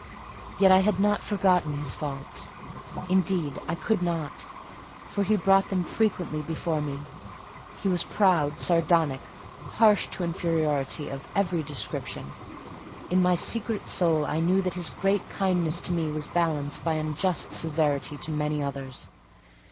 Yet I had not forgotten his faults; indeed, I could not, for he brought them frequently before me. He was proud, sardonic, harsh to inferiority of every description: in my secret soul I knew that his great kindness to me was balanced by unjust severity to many others.